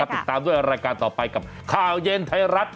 ติดตามด้วยรายการต่อไปกับข่าวเย็นไทยรัฐ